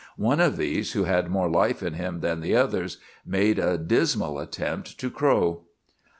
One of these, who had more life in him than the others, made a dismal attempt to crow.